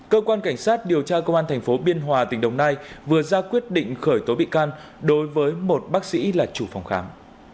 cơ quan cảnh sát điều tra công an tp biên hòa tỉnh đồng nai vừa ra quyết định khởi tố bị can đối với một bác sĩ là chủ phòng khám